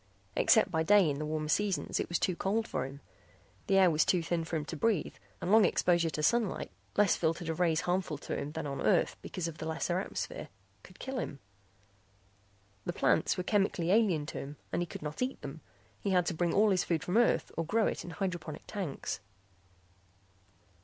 Except by day in the warmer seasons it was too cold for him. The air was too thin for him to breathe and long exposure to sunlight less filtered of rays harmful to him than on Earth because of the lesser atmosphere could kill him. The plants were chemically alien to him and he could not eat them; he had to bring all his food from Earth or grow it in hydroponic tanks.